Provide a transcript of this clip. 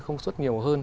không xuất nhiều hơn